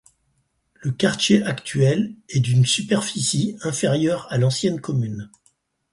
Le quartier actuel est d'une superficie inférieure à l'ancienne commune.